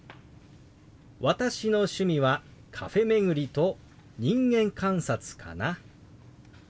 「私の趣味はカフェ巡りと人間観察かな」。